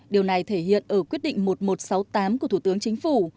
điều này thể hiện ở quyết định một nghìn một trăm sáu mươi tám của thủ tướng chính phủ